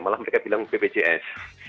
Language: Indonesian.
malah mereka bilang bpjs